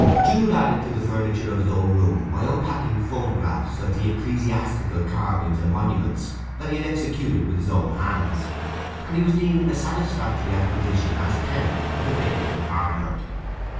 Jude added to the furniture of his room by unpacking photographs of the ecclesiastical carvings and monuments that he had executed with his own hands; and he was deemed a satisfactory acquisition as tenant of the vacant apartment.